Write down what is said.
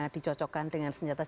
dicocokkan dengan senjata tajam